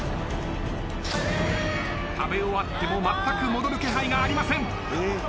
食べ終わってもまったく戻る気配がありません。